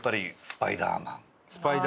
スパイダーマン。